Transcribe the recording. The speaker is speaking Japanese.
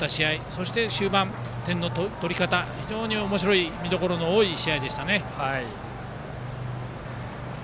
そして終盤点の取り方、おもしろい見どころの多い試合でしたね。